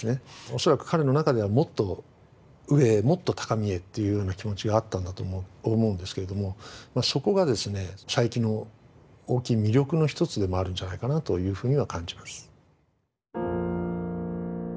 恐らく彼の中ではもっと上へもっと高みへというような気持ちがあったんだと思うんですけれどもそこがですね佐伯の大きい魅力の一つでもあるんじゃないかなというふうには感じます。